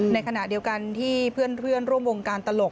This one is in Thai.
ในขณะเดียวกันที่เพื่อนร่วมวงการตลก